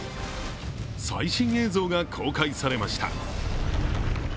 最新映像が公開されました。